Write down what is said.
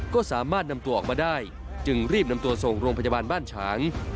ก็สามารถนำตัวออกมาได้จึงรีบนำตัวส่งโรงพยาบาลบ้านฉาง